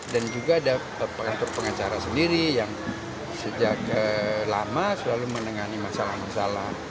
dan juga ada pengatur pengacara sendiri yang sejak lama selalu menengani masalah masalah